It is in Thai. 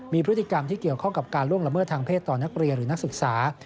มีพฤติกรรมที่เกี่ยวข้องกับการล่วงละเมิดทางเพศต่อนักเรียนหรือนักศึกษา